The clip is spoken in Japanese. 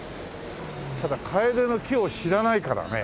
ただかえでの木を知らないからね。